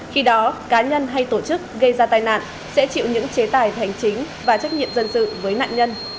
khi đó cá nhân hay tổ chức gây ra tai nạn sẽ chịu những chế tài hành chính và trách nhiệm dân sự với nạn nhân